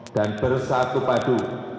dan bersatu padu